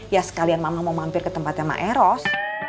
ya sekalian mama mau mampir ke tempatnya maeros